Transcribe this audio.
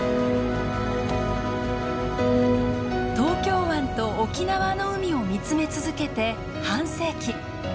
東京湾と沖縄の海を見つめ続けて半世紀。